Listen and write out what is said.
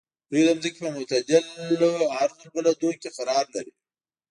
دوی د ځمکې په معتدلو عرض البلدونو کې قرار لري.